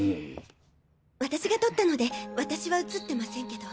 私が撮ったので私は写ってませんけど。